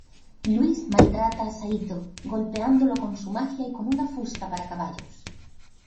Louise maltrata a Saito golpeándolo con su magia y con una fusta para caballos.